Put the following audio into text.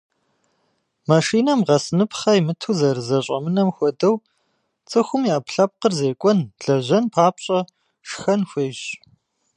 Машинэм гъэсыныпхъэ имыту зэрызэщӏэмынэм хуэдэу, цӏыхум и ӏэпкълъэпкъыр зекӏуэн, лэжьэн папщӏэ, шхэн хуейщ.